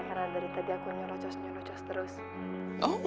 karena dari tadi aku nyerocos nyerocos terus